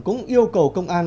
cũng yêu cầu công an